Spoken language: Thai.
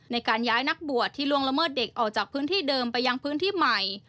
ในการย้ายนักบวชที่ล่วงละเมิดเด็กออกจากพื้นที่เดิมไปยังพื้นที่ใหม่